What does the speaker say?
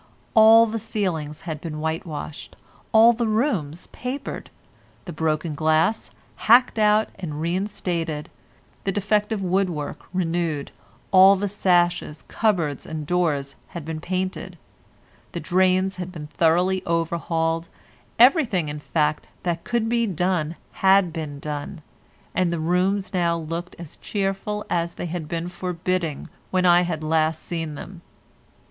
All the ceilings had been whitewashed, all the rooms papered, the broken glass hacked out and reinstated, the defective wood work renewed, all the sashes, cupboards and doors had been painted. The drains had been thoroughly overhauled, everything in fact, that could be done had been done, and the rooms now looked as cheerful as they had been forbidding when I had last seen them.